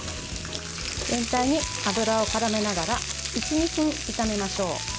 全体に油をからめながら１２分炒めましょう。